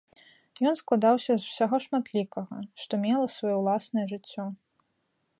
Ён складаўся з усяго шматлікага, што мела сваё ўласнае жыццё.